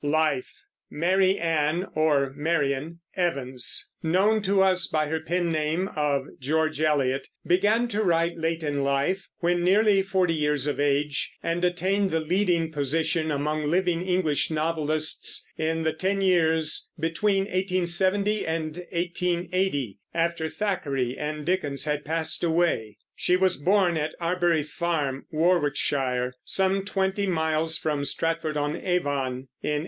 LIFE. Mary Ann (or Marian) Evans, known to us by her pen name of George Eliot, began to write late in life, when nearly forty years of age, and attained the leading position among living English novelists in the ten years between 1870 and 1880, after Thackeray and Dickens had passed away. She was born at Arbury Farm, Warwickshire, some twenty miles from Stratford on Avon, in 1819.